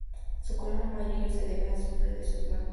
Su color amarillo se debe al azufre de sus flancos.